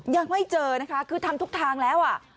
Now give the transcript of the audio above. ยังไม่เจอนะคะคือทำทุกทางแล้วอ่ะ